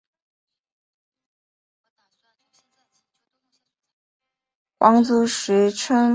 皇族时称博信王。